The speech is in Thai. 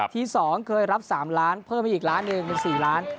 ที่๒เคยรับ๓ล้านเพิ่มไปอีกล้านหนึ่งเป็น๔ล้าน